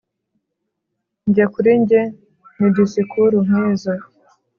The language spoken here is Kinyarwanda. njye kuri njye ni disikuru nkizo